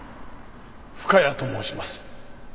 深谷と申します。